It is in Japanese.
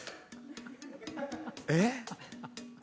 えっ？